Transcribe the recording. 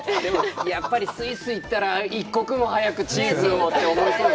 やっぱり、スイスへ行ったら、一刻も早くチーズをと。